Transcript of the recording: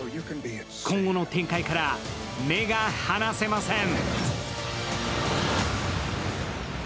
今後の展開から目が離せません。